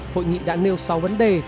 hội nghị đã nêu sáu vấn đề